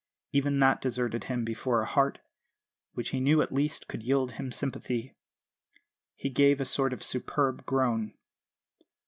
Even that deserted him before a heart, which he knew at least could yield him sympathy. He gave a sort of superb groan.